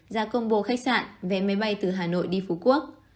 giá combo khách sạn về máy bay từ hà nội đi phú quốc